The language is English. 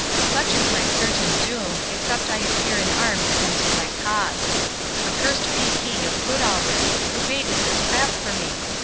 Such is my certain doom, except I appear in arms against thy cause. Accursed be he of Goodalricke, who baited this trap for me!